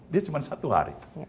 dia cuma satu hari